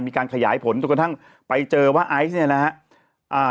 มีการขยายผลจนกระทั่งไปเจอว่าไอซ์เนี่ยนะฮะอ่า